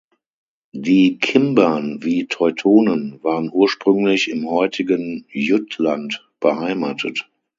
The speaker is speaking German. Die Kimbern wie Teutonen waren ursprünglich im heutigen Jütland beheimatet.